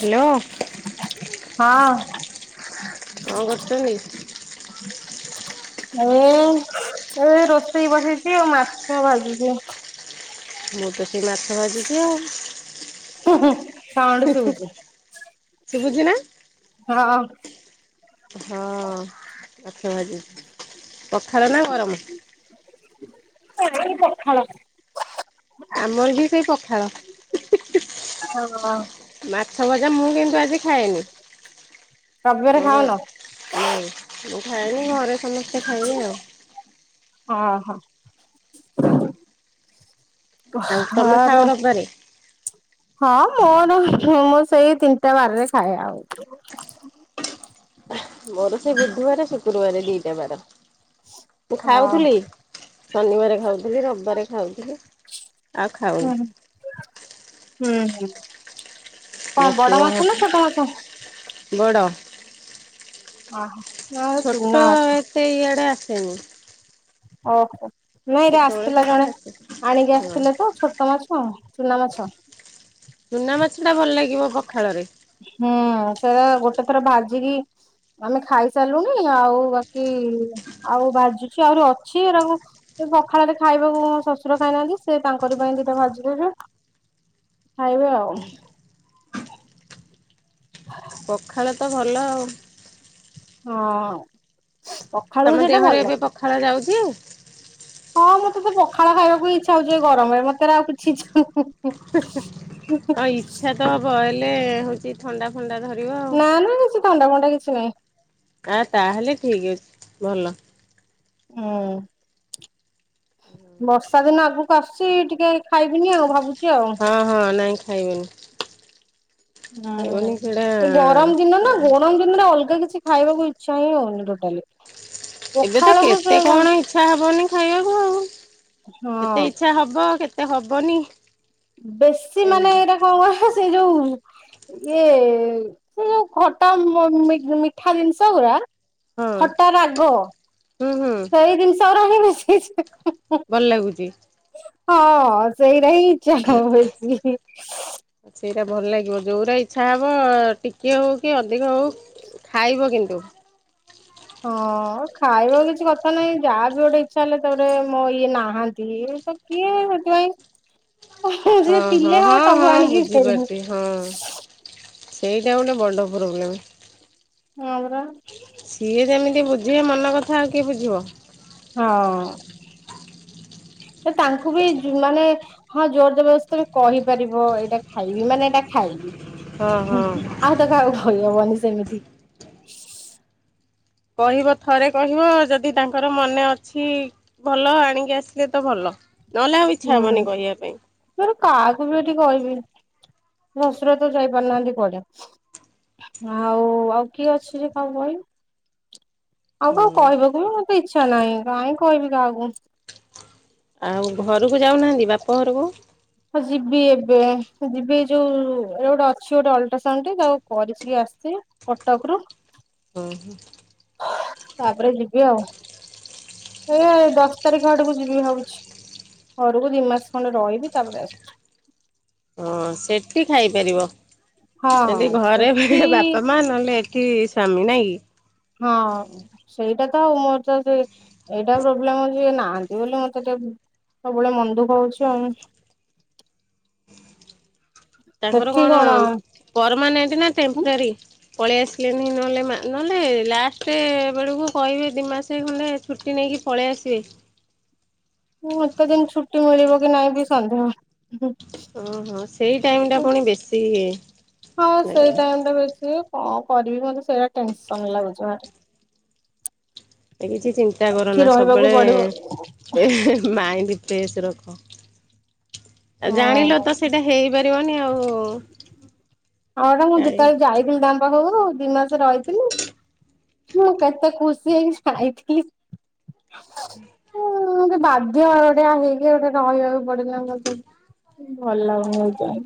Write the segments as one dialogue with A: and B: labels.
A: Hello.
B: ହଁ।
A: କଣ କରୁଛନ୍ତି?
B: ମୁଁ ଏବେ ରୋଷେଇ ବସେଇଛି ଆଉ ମାଛ ଭାଜୁଛି।
A: ମୁଁ ତ ସେଇ ମାଛ ଭାଝୁଛି ଆଉ।
B: ହ [unintelligible]
A: ଶୁଭୁଛି ନା?
B: ହଁ।
A: ହଁ ମାଛ ବାଝୁଛି। ପଖାଳ ନା ଗରମ?
B: ପଖାଳ।
A: ଆମର ବି ସେଇ ପଖାଳ।
B: ହଁ
A: ମାଛ ଭଜା ମୁଁ କିନ୍ତୁ ଆଜି ଖାଏନି।
B: ରବିବାରେ
A: ମୋର
B: ଖାଉନ?
A: ନାଇଁ ମୁଁ ଖଏନି ଘରେ ସମସ୍ତେ ଖାଇବେ ଆଉ।
B: ହଁ ହଁ।
A: ଆଉ ତମେ
B: ହଁ
A: ଖାଅ ରବିବାରେ?
B: [unintelligible] ହଁ ମୋର ମୁଁ ସେଇ ତିନିଟା ବାରରେ ଖାଏ ଆଉ।
A: ମୋର ସେଇ ବୁଧୁବାରେ ଶୁକ୍ରବାରେ ଦିଟା ବାର। ମୁଁ
B: ହଁ
A: ଖାଉଥିଲି ଶନିବାରେ ଖାଉଥିଲି ରବିବାରେ ଖାଉଥିଲି। ଆଉ ଖାଉନି।
B: ହୁଁ-ହୁଁ କଣ ବଡ ମାଛ ନା ଛୋଟ ମାଛ?
A: ବଡ।
B: ଅହୋ।
A: ଛୋଟ ଏତେ ଇଆଡେ ଆସେନି।
B: ଓହୋ ନାଇଁରେ
A: କେତେବେଳେ
B: ଆସିଥିଲା
A: କେମିତି
B: ଜଣେ
A: ଆସେ
B: ଆଣିକି
A: ହଁ।
B: ଆସିଥିଲେ ତ। ଛୋଟ ମାଛ ଚୁନା ମାଛ।
A: ଚୁନା ମାଛଟା ଭଲ୍ ଲାଗିବ ପଖାଳରେ।
B: ହୁଁ ସେଟା ଗୋଟେ ଥର ଭାଜିକି ଆମେ ଖାଇସାରିଲୁଣି ଆଉ ବାକି ଆଉ ଭାଜୁଛି ଆହୁରି ଅଛି ଏଟାକୁ ସେ ପଖାଳରେ ଖାଇବାକୁ ମୋ ଶଶୁର ଖାଇନାହାନ୍ତି ସେ ତାଙ୍କର ପାଇଁ ଦିଇଟା ଭାଜିଦେବି। ଖାଇବେ ଆଉ।
A: ପଖାଳ ତ ଭଲ ଆଉ।
B: ହଁ। ପଖାଳକୁ
A: ତମ
B: ସେଇଟା ଭଲ
A: ଦେହରେ ଏବେ
B: ଲାଗେ।
A: ପଖାଳ ଯାଉଛି ଆଉ?
B: ହଁ ମତେ ତ ପଖାଳ ଖାଇବାକୁ ଇଚ୍ଛା ହଉଛି ଗରମରେ ମତେ ଆଉ କିଛି ଇଚ୍ଛା ହିଁ-ହିଁ-ହିଁ।
A: ହଁ ଇଚ୍ଛା ତ ହବ ହେଲେ ହଉଛି ଥଣ୍ଡା ଫଣ୍ଡା ଧରିବ। ଆଉ
B: ନା-ନା କିଛି ଥଣ୍ଡା ଫଣ୍ଡା କିଛି ନାହିଁ।
A: ଆ ତାହେଲେ ଠିକ୍ ଅଛି ଭଲ।
B: ହୁଁ। ବର୍ଷା ଦିନ ଆଗକୁ ଆସୁଛି ଟିକେ ଖାଇବିନି ଆଉ ଭାବୁଛି ଆଉ।
A: ହଁ ହଁ ନାଇଁ ଖାଇବେନି।
B: ହୁଁ
A: ସେଟା
B: ଏ ଗରମ ଦିନ ନା ଗରମ ଦି ନେରେ ଅଲଗା କିଛି ଖାଇବାକୁ ଇଚ୍ଛା ହିଁ ହଉନି ଟୋଟାଲି।
A: ଏବେ ତ
B: ପଖାଳକୁ
A: କେତେ କଣ ଇ ଚ୍ଛା ହବନି ଖାଇବାକୁ ଆଉ
B: ହଁ
A: କେତେ ଇଚ୍ଛା ହବ କେତେ ହବନି।
B: ବେଶୀ ମାନେ
A: ଏମିତି
B: ଏଇଟା କଣ କହ ସେଇ ଯୋଉ ଇଏ ସେ ଯୋଉ ଖଟା ମିଠା ଜିନିଷ ଗୁରା ଖଟା ରାଗ
A: ହଁ-ହୁଁ-ହୁଁ।
B: ସେଇ ଦିନସ ଗୁରା ହିଁ ବେଶି [unintelligible]
A: ଭଲ୍ ଲାଗୁଚି।
B: ହଁ ସେଇଟା ହିଁ ଇଚ୍ଛା ହବ ବେଶି ହିଁ।
A: ସେଇଟା ଭଲ୍ ଲାଗିବ ଯୋଉରା ଇଚ୍ଛା ହବ ଟିକେ ହଉ କି ଅଧିକ ହଉ ଖାଇବ କିନ୍ତୁ।
B: ହଁ ଖାଇବାକୁ କିଛି କଥା ନାହିଁ ଯାହାବି ଗୋଟେ ଇଚ୍ଛା ହେଲେ ତାପରେ ମୋ ଇଏ ନାହାନ୍ତି ତ କିଏ ସେଥିପାଇଁ ଉହୁଁ ସିଏ ଥିଲେ ହଁ ସବୁ ଆଣିକିି [unintelligible]
A: ସେଇଟା ଗୋଟେ ବଡ଼ ପ୍ରୋବ୍ଲେମ୍।
B: ହଁ ପରା।
A: ସିଏ ଯେମିତି ବୁଝିବେ ମନ କଥା ଆଉ କିଏ ବୁଝିବ?
B: ହଁ। ଏ ତାଙ୍କୁ ବି ଯୁ ମାନେ ହଁ ଜୋର୍ ଜବରଦସ୍ତ ତମେ କହିପାରିବ ଏଇଟା ଖାଇବି ମାନେ ଏଇଟା ଖାଇବି।
A: ହଁ ହଁ।
B: ହୁଁ ଆଉ ତ କାହାକୁ କହି ହବନି ସେମିତି।
A: କହିବ ଥରେ କହିବ ଯଦି ତାଙ୍କର ମନେ ଅଛି ଭଲ ଆଣିକି ଆସିଲେ ତ ଭଲ ନହେଲେ ଆଉ ଇଚ୍ଛା
B: ହୁଁ
A: ହବନି କହିବା ପାଇଁ।
B: [unintelligible] କାହାକୁ ବି ଏଠି କହିବି ଶଶୁର ତ ଯାଇପାରୁନାହାନ୍ତି କୁଆଡେ। ଆଉ-ଆଉ କିଏ ଅଛି ଯେ କାହାକୁ କହିବି। ଆଉ
A: ହୁଁ।
B: କନ କହିବାକୁ ବି ମତେ ଇଚ୍ଛା ନାହିଁ କାହିଁ କହିବି କାହାକୁ।
A: ଆଉ ଘରକୁ ଯାଉନାହାଁନ୍ତି ବାପ ଘରକୁ?
B: ହଁ ଯିବି ଏବେ ଯିବି ଯୋଉ ଏରା ଗୋଟେ ଅଛି ଗୋଟେ ଅଲଟ୍ରାସାଉଣ୍ଡ ଟେ ତାକୁ କରିଛି ଆସିଛି କଟକ ରୁ
A: ହୁଁ ହୁଁ।
B: ତାପରେ ଯିବି ଆଉ ଏଇ ଦଶ ତାରିଖ ଆଡକୁ ଯିବି ଭାବଛି। ଘରକୁ ଦି ମାସ ଖଣ୍ଡେ ରହିବି ତାପରେ ଆସ
A: ହଁ ସେଠି ଖାଇପାରିବ
B: ହଁ
A: ସେଠି
B: ହଁ
A: ଘରେ
B: ସେଠି
A: ବାପା ମା ନହେଲେ କି ସ୍ୱାମୀ ନା କି?
B: ହଁ। ସେଇଟା ତ ଆଉ ମୋର ତ ସେ ଏଇଟା ପ୍ରୋବ୍ଲେମ ଅଛି ସେ ନାହାନ୍ତି ବୋଲି ମତେ ଟିକେ ସବୁବେଳେ ମନଦୁଃଖ ହଉଛି ଆଉ
A: ତାଙ୍କର କଣ ପରମାନେଣ୍ଟ ନା ଟେମ୍ପରାରୀ। ପଳେଇ ଆସିଲେନି ନହେଲେ ମା ନହେଲେ ଲାଷ୍ଟେ ଏ ବେଳକୁ କହିବେ ଦିମାସେ ଖଣ୍ଡେ ଛୁଟି ନେଇକି ପଳେଇ ଆସିବେ।
B: ମୋତେ ଜେମିତି ଛୁଟି ମିଳିବ କି ନାଇଁ ବି ସନ୍ଧେୟ?
A: ଅ ହଁ ସେଇ ଟାଇମ ଟା ପୁଣି ବେଶୀ ଇଏ
B: ହଁ ସେଇ
A: ଲାଗିବ।
B: ଟାଇମ ଟା ବଛି କଣ କରିବି ମତେ ସେଇଟା ଟେନସନ ଲାଗୁଛି ଭାରି।
A: ଏ କିଛି ଚିନ୍ତା
B: ଏଠି
A: କରନା
B: ରହିବାକୁ ପଡିବ ହଁ
A: ସବୁବେଳେ ମାଇଣ୍ଡି ଫ୍ରେସ୍ ରଖ ଜାଣିଲ ତ ସେ ସେଇଟା ହେଇପାରିବନି ଆଉ।
B: ହଟା ମୁଁ
A: କାଳେ
B: ଯେତେବେଳେ ଯାଇଥିଲି ତାଙ୍କ ପାଖକୁ ଦି ମାସେ ରହିଥିଲି। ମୁଁ କେତେ ଖୁସି ହେଇକି ଯାଇଥିଲି। ଉୁଁ ଗୋଟେ ବାଧ୍ୟ ଟିଆ ହେଇକି ଗୋଟେ ରହିବାକୁ ପଡିଲା [unintelligible] ଭଲ ଲାଗୁନି ଏଯା ଏ।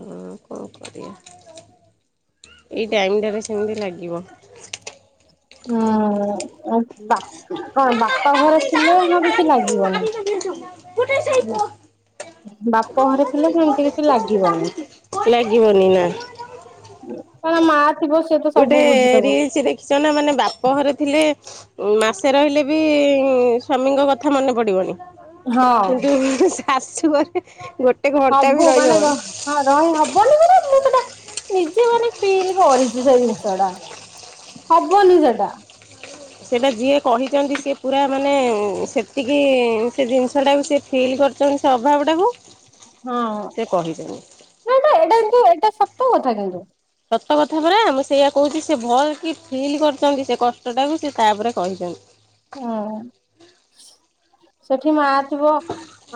A: ହୁଁ କଣ କରିବା ଏଇ ଟାଇମଟାରେ ସେମିତି ଲାଗିବ।
B: ହୁଁ ବା କଣ ବାପା ଘରେ ଥିଲେ ହଁ କିଛି ଲାଗିବନି।
A: ଗୋଟେ ସେଇ
B: ହୁଁ ବାପ ଘରେ ଥିଲେ ସେମିତି କିଛି ଲାଗିବନି।
A: ଲାଗିବନି ନା।
B: କଣ ମା ଥିବ ସିଏ ତ ସବୁ ବୁଝିଦବ।
A: ସେ ନା ମାନେ ବାପ ଘରେ ଥିଲେ ଉ ମାସେ ରହିଲେ ବି ସ୍ଵାମୀଙ୍କ କଥା ମନେ ପଡିବନି।
B: ହଁ
A: କିନ୍ତୁ ଶାଶୁ ଘରେ ଗୋଟେ ଘଣ୍ଟା
B: ସବୁ
A: ବି
B: ମାନେ
A: ରହିହବନି।
B: ହଁ ରହିହବନି ମାନେ ମୁଁ ସେଟା ନିଜେ ମାନେ ଫିଲ୍ କରିଛି ସେ ଜିନିଷ ଟା। ହବନି ସେଟା।
A: ସେଟା ଯିଏ କହିଛନ୍ତି ସିଏ ପୁରା ମାନେ ସେତିକି ସେ ଜିନିଷ ଟାକୁ ସେ ଫିଲ୍ କର ସେମିତି ସଭାବଟାକୁ।
B: ହଁ ନା ଏଟା ଏଟା କିନ୍ତୁ ଏଇଟା ସତ କଥା କିନ୍ତୁ।
A: ସତ କଥା ପରା ମୁଁ ସେଇଆ କହୁଛି ସେ ଭଲ କି ଫିଲ୍ କରିଛନ୍ତି ସେ କଷ୍ଟଟାକୁ ସେ ତାପରେ କହିଛନ୍ତି।
B: ହଁ ସେଠି ମା ଥିବ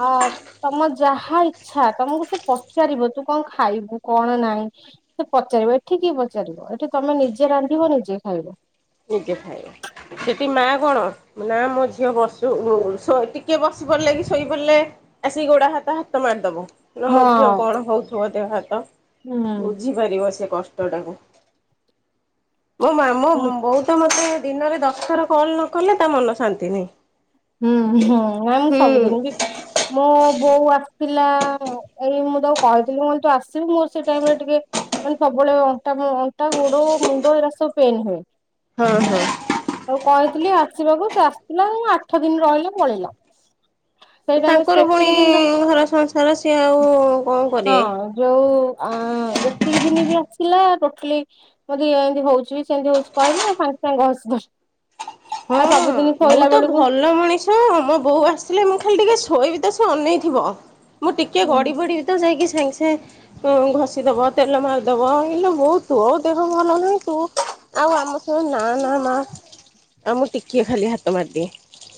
B: ଆ ତମ ଯାହାଇ ଛା ତମକୁ ସେ ପଚାରିବ ତୁ କଣ ଖାଇବୁ କଣ ନାଇଁ। ସେ ପଚାରିବ ଏଠି କିଏ ପଚାରିବ ଏଠି ତମେ ନିଜେ ରାନ୍ଧିବ ନିଜେ ଖାଇବ।
A: ନିଜେ ଖାଇବ ସେଠି ମା କଣ ନା ମୋ ଝିଅ ବସୁ ଟିକେ ବସି ପଡ଼ିଲେ କି ଶୋଇପଡ଼ିଲେ ଆସିକି ଗୋଡା ହାତ ହାତ ମାରିଦବ ନା ମୋ ଝିଅ
B: ହଁ
A: କଣ ହଉଥିବ ଦେହ ହାତ
B: ହୁଁ।
A: ବୁଝି ପାରିବ ସେ କଷ୍ଟ ଟାକୁ ମୋ ମା
B: ହୁଁ
A: ମୋ ବୋଉ ତ ମୋତେ ଦିନରେ ଦଶଥର କଲ୍ ନ କଲେ ତା ମନ ଶାନ୍ତି ନାହିଁ।
B: ହୁଁ ହୁଁ ବରମ୍ ସବୁଦିନ ବି
A: ହୁଁ।
B: ମୋ ବୋଉ ଆସିଥିଲା ଏଇ ମୁଁ ତାକୁ କହିଥିଲି କହିଲି ତୁ ଆସିବୁ ମୋ ସେ ଟାଇମରେ ଟିକେ ମାନେ ସବୁବେଳେ ଅଣ୍ଟା ଅଣ୍ଟା ଗୁଡ ମୁଣ୍ଡ ଏରା ସବୁ ପେନ୍ ହୁଏ।
A: ହଁ ହଁ।
B: ତାକୁ କହିଥିଲି ଆସିବାକୁ ସେ ଆସିଥିଲା ଆଠ ଦିନ ରହିଲା ପଳେଇଲା। ସେଇଟା ଆମେ
A: ତାଙ୍କର ପୁଣି
B: ସେତିକି ଦିନ ରହି
A: ଘର ସଂସାର ସିଏ ଆଉ କଣ
B: ହଁ
A: କରିବେ।
B: ଯୋଉ ଯେତିକି ଦିନ ବି ଆସିଲା ଟୋଟାଲି ମୋତେ ଏମିତିଉଛିି ସେମିତି ହଉଛି କହିଲା ସାଙ୍ଗେ ସାଙ୍ଗେଘ
A: ହଁ ମୁଁ ତ ଭଲ ମଣିଷ ହଁ ହଁ ମୋ ବୋଉ ଆସିଥିଲା ମୁଁ ଖାଲି ଟିକେ ଶୋଇବି ତ ସେ ଅନେଇଥିବ ମୁଁ ଟିକେ ଗଡି
B: ହୁଁ,
A: ପଡ଼ିବି ତ ଯାଇକି ସାଙ୍ଗସାଙ୍ଗେ ଘଷିଦବ ତେଲ ମାରିଦବ ଏଲୋ ବୋଉ ତୋ ଦେହ ଭଲ ନାହିଁ ତୁ ଆଉ ଆମ ଶଣୁ ନା ନା ମା ଆଉ ମୁଁ ଟିକିଏ ଖାଲି ହାତ ମାରିଦିଏ।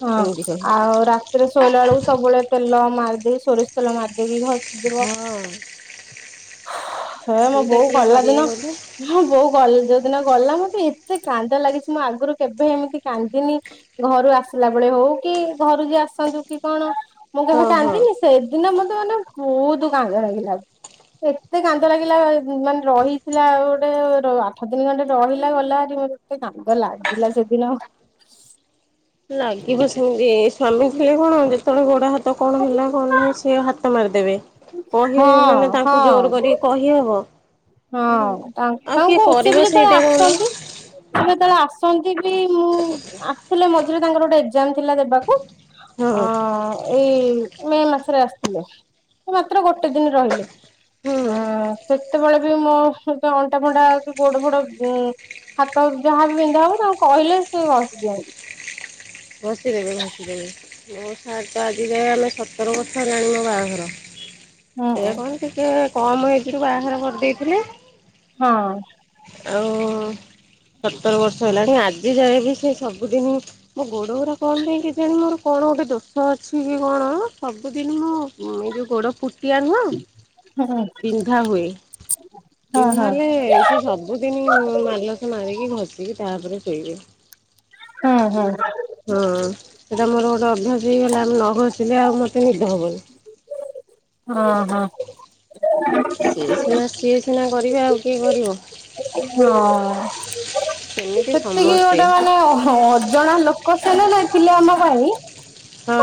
B: ହଁ
A: ଏମିତି କହି
B: ଆଉ ରାତିରେ ଶୋଇଲା ବେଳକୁ ସବୁବେଳେ ତେଲ ମାରିଦି ସୋରିଷ ତେଲ ମାର୍ଦେଇକି ଘସି
A: ହଁ
B: ଦବ। ହେ ମୋ
A: ସେଇଟା
B: ବୋଉ
A: କିଏ
B: ଗଲା
A: କରିବେ
B: ଦିନ
A: କହିଲୁ?
B: ହଁ ବୋଉ ଗ ଯୋଉ ଦିନ ଗଲା ମତେ ଏତେ କାନ୍ଦ ଲାଗିଛି ମୁଁ ଆଗରୁ କେବେ ଏମିତି କାନ୍ଦିନି। ଘରୁ ଆସିଲା ବେଳେ ହଉ କି ଘରୁ ଯିଏ ଆସନ୍ତୁ କି କଣ ମୁଁ କେବେ
A: ହଁ ହଁ।
B: କାନ୍ଦିନି ସେଦିନ ମତେ ମାନେ ବହୁତ କାନ୍ଦ ଲାଗିଲା। ଏତେ କାନ୍ଦ ଲାଗିଲା ମାନେ ରହିଥିଲା ଆଉ ଗୋଟେ ଆଠ ଦିନି ଖଣ୍ଟେ ରହିଲା ଗଲା ହାରି ମ ଏତେ କାନ୍ଦ ଲାଗିଲା ସେଦିନ।
A: ଲାଗିବ ସେମିତି ସ୍ଵାମୀ ଥିଲେ କଣ ଯେତେବେଳେ ଗୋଡ ହାତ କଣ ହେଲା କଣ ନାହିଁ ସେ ହାତ ତ ମାରିଦେବେ କହି
B: ହଁ
A: ମାନେ
B: ହଁ।
A: ତାଙ୍କୁ ଜୋର କରି କହିହବ।
B: ହଁ
A: ଆଉ
B: ତାଙ୍କୁ
A: କିଏ
B: କ ସେ
A: କରିବ
B: ବି ଯେତେବେଳେ
A: ସେଇଟା କହୁନ
B: ଆସିନ୍ତି। ଯେତେବେଳେ ଆସନ୍ତି ବି ମୁଁ ଆସଥିଲେ ମଝିରେ ତାଙ୍କର ଗୋଟେ ଏକ୍ଜାମ ଥିଲା ଦେବାକୁ। ଅ।
A: ହଁ
B: ଏଇ ମେ ମାସରେ ଆସିଥିଲେ ସେ ମାତ୍ର ଗୋଟେ ଦିନ ରହିଲେ। ହଁ ସେତେବେଳେ ବି ମୋ ଅଣ୍ଟା ଫଣ୍ଟା କି ଗୋଡ ଫୋଡ ହାତ ଯାହାବି ବିନ୍ଧା ହବ ତାଙ୍କୁ କହିଲେ ସେ ଘସି ଦିଅନ୍ତି।
A: ଘସିଦେବେ ଘସି ଦେବେ। ମୋ ସାର୍ ତ ଆଜି ଯାଏଁ ଆମେ ସତର ବର୍ଷ ହେଲାଣି ବାହାଘର।
B: ହଁ
A: ଏୟା
B: ହଁ
A: କଣ ଟିକେ କମ ଏଜ ରୁ ବାହାର କରିଦେଇଥିଲେ।
B: ହଁ।
A: ଆଉ ସତର ବର୍ଷ ହେଲାଣି ଆଜି ଯାଏ ବି ସେ ସବୁଦିନି ଗୋଡ ଉରା କଣ ପାଇଁ କି ଜାଣି ମୋର କଣ ଗୋଟେ ଦୋଷ ଅଛି କି କଣ ସବୁଦିନ ମୁଁ ଏ ଯୋଉ ଗୋଡ ପୁ ଟିଆ ନୁହଁ
B: ହଁ
A: ବିନ୍ଧା ହୁଏ ବିନ୍ଧା ହେଲେ ସେ ସବୁଦିନି ମାଲସ ମାରିକି ଘଷିକି ତାପରେ ଶୋଇବେ।
B: ହୁଁ ହୁଁ।
A: ହଁ ସେଟା ମୋର ଗୋଟେ ଅଭ୍ୟାସ ହେଇଗଲା ନ ଘସିଲେ ଆଉ ମତେ ନିଦ ହବନି।
B: ହଁ
A: ସିଏ ସିନା
B: ହଁ।
A: ସିଏ ସିନା କରିବି ଆଉ କିଏ କରିବ?
B: ହଁ
A: ସେମିତି
B: ସେତିକି
A: ସମସ୍ତେ।
B: ଗୋଟେ ମାନେ ଅଜଣା ଲୋକ ଲୋକ ସିଏ ନା ନାହିଁ ଥିଲା ଆମ ପାଇଁ।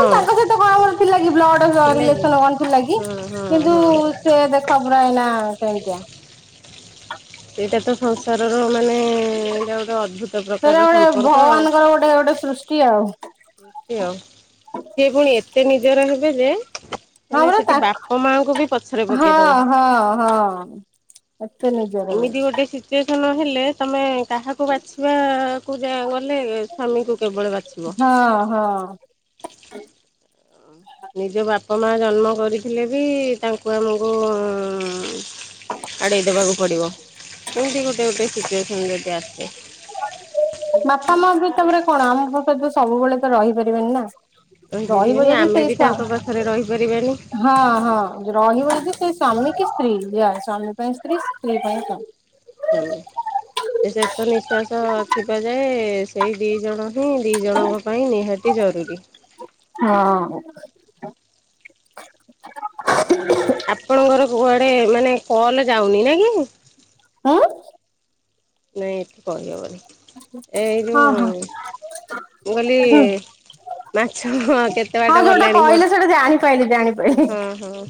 B: ମାନେ ତାଙ୍କ ସହିତ କଣ କ ଥିଲା କି ବ୍ଲଡ
A: ଥିଲା କି
B: ରିଲେସନ କଣ ଥିଲା କି
A: ହଁ ହଁ
B: କିନ୍ତୁ
A: ହଁ।
B: ସେ ଦେଖ ପୁରା ଏଇନା କେମତିଆ।
A: ସେଇଟା ତ ସଂସାରର ମାନେ ଏଇଟା ଗୋଟେ ଅଦ୍ଭୁତ ପ୍ରକାରର ସମ୍ପର୍କ ଆଉ।
B: ଏଟା ଗୋଟେ ସୃଷ୍ଟି ଆଉ।
A: ଆଉ ସିଏ ପୁଣି ଏତେ ନିଜର ହେବେ ଯେ
B: ହଁ
A: ମାନେ
B: ପରା
A: ସେଠି ବାପା ମାଙ୍କୁ ବି ପଛରେ
B: ତାଙ୍କ୍ ହଁ
A: ପକେଇଦବ।
B: ହଁ ହଁ। ଏତେ ନିଜର
A: ସିଏ ତ ନ ହେଲେ ତମେ କାହାକୁ ବାଛିବା କୋଉ ଯା ଗଲେ ସ୍ବାମୀକୁ କେବଳ ବାଛିବ।
B: ହଁ ହଁ।
A: ନିଜ ବାପା ମା ଜନ୍ମ କରିଥିଲେ ବି ତାଙ୍କୁ ଆମକୁ ଆଡେଇ ଦବାକୁ ପଡିବ ଏମିତି ଗୋଟେ ଗୋଟେ ସିଚୁଏସନ ଯଦି ଆସେ।
B: ବାପା ମା ବି ତମରେ କଣ ଆମ ସହିତ ସବୁବେଳେ ତ ରହିପାରିବେନି ନା। ରହିବ
A: ରହିପାରିବେନି
B: ଯଦି
A: ଆମେ
B: ସେଇ
A: ବି
B: ସ୍ୱା
A: ତାଙ୍କ ପାଖରେ ରହିପାରିବାନି।
B: ହଁ ହଁ ରହିବ ଯଦି ସେ ସ୍ଵାମୀ କି ସ୍ତ୍ରୀ ଯା ସ୍ଵାମୀ ପାଇଁ ସ୍ତ୍ରୀ ସ୍ତ୍ରୀ ପାଇଁ ସାମୀ।
A: ଚାଲୁ। ସେ ନିଶ୍ୱାସ ଥିବା ଯାଏ ସେଇ ଦି ଜଣ ହିଁ ଦି ଜଣଙ୍କ ପାଇଁ ନିହାତି ତି ଜରୁରୀ।
B: ହଁ।
A: ଓ ଆପଣଙ୍କର କୁଆଡେ ମାନେ କଲ ଯାଉନି ନା କି।
B: ଆଁ।
A: ନାଇଁ ଏଠି କହିହେବନି ଏ ଏଇ
B: ହଁ
A: ଯେଉ
B: ହଁ।
A: ମୁଁ କହିଲି
B: ହୁଁ
A: ମାଛ ହଁ କେତେ
B: ହଁ
A: ବାଟ
B: ଯୋଉଟା
A: ଗଲାଣି
B: କହିଲେ ସେଇଟା ଜାଣିପାଇଲି ଜାଣିପାଇଲି।
A: ମୋର ହଁ ହଁ।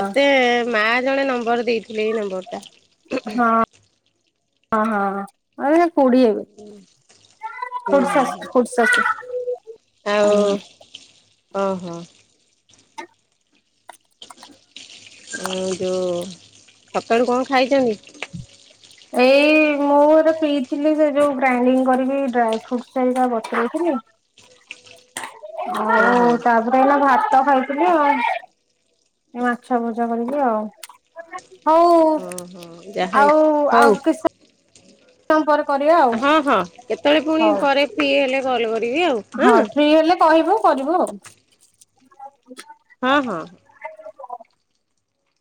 A: ମତେ ମା ଜଣେ ନମ୍ବର ଦେଇଥିଲେ ଏଇ ନମ୍ବର ଟା।
B: ହଁ ହଁ ହଁ। ଆ ସେ ଖୁଡି ହେବେ
A: ହୁଁ
B: ଖୁଡ଼ି
A: ହୁଁ ହୁଁ।
B: ଶାଶୁ ଖୁଡ଼ି ଶାଶୁ। ହୁଁ।
A: ଆଉ ହଁ ହଁ। ହଁ ଯୋଉ ସକାଳୁ କଣ ଖାଇଚନ୍ତି।
B: ଏଇ ମୁ ମୁଁ ଗୋଟେ ପିଇଥିଲି ସେ ଯୋଉ ଗ୍ରାଇଡିଙ୍ଗ କରିବି ଡ୍ରାଇ ଫ୍ରୁଟା ଏଇନା ବତୁରେଇଥିଲି।
A: ହଁ
B: ଆଉ
A: ହଁ
B: ତାପରେ ଏଇନା ଭାତ ଖାଇଥିଲି ଆଉ। ଏ ମାଛ ମଜା କରିକି ଆଉ। ହଉ
A: ହଁ ହଁ ଯାହା
B: ଆଉ
A: ହେଇଛି ହଉ।
B: ଆଉ କି ସ ମ ପରେ କରିବା ଆଉ
A: ହଁ ହଁ କେତେବେଳେ ପୁଣି
B: ହଉ
A: ପରେ ଫ୍ରି ହେଲେ କଲ କରିବି ଆଉ।
B: ହଁ ଫ୍ରି ହେଲେ କହିବୁ କରିବୁ ଆଉ।
A: ହଁ ହଁ।